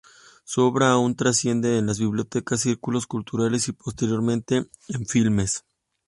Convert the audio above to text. Su obra aun trasciende en las bibliotecas, círculos culturales y posteriormente en filmes.